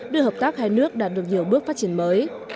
đưa hợp tác hai nước đạt được nhiều bước phát triển mới